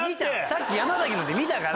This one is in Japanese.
さっき山崎ので見たから。